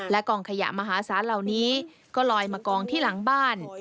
และกล่องขยะมหาศาสตร์เหล่านี้ก็ลอยมากล่องที่หลังบ้าน